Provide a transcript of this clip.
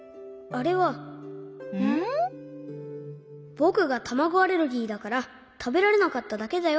ぼくがたまごアレルギーだからたべられなかっただけだよ。